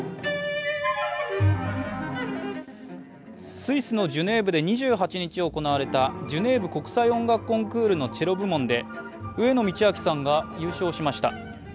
スイスのジュネーブで２８日行われたジュネーブ国際音楽コンクールのチェロ部門で上野通明さんが優勝しました。